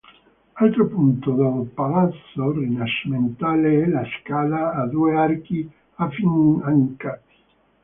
Altro punto del palazzo rinascimentale è la scala a due archi affiancati.